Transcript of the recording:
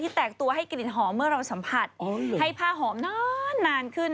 แตกตัวให้กลิ่นหอมเมื่อเราสัมผัสให้ผ้าหอมนานขึ้น